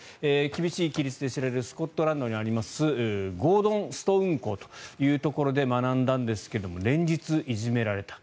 厳しい規律で知られるスコットランドにありますゴードンストウン学校というところで学んだんですが連日いじめられた。